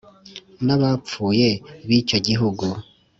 N'abapfuye b'icyo gihugu